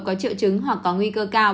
có triệu chứng hoặc có nguy cơ cao